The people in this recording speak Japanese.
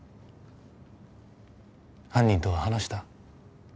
犯人とは話した？